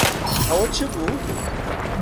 ئەوە چ بوو؟